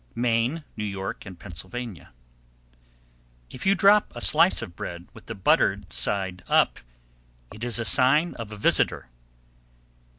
Maine, New York, and Pennsylvania. 737. If you drop a slice of bread with the buttered side up, it is a sign of a visitor.